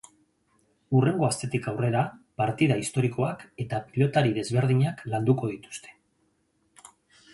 Hurrengo astetik aurrera partida historikoak eta pilotari desberdinak landuko dituzte.